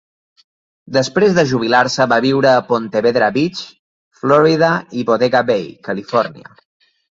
Després de jubilar-se va viure a Ponte Vedra Beach, Florida, i Bodega Bay, Califòrnia.